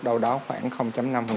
đâu đó khoảng năm